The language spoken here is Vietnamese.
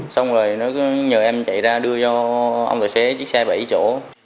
xong rồi nó cứ nhờ em chạy ra đưa cho ông tài xế chiếc xe về ý chỗ